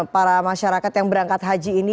para masyarakat yang berangkat haji ini